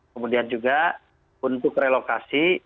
kemudian juga untuk relokasi